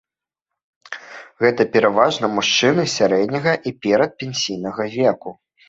Гэта пераважна мужчыны сярэдняга і перадпенсійнага веку.